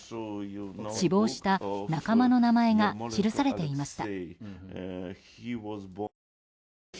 死亡した仲間の名前が記されていました。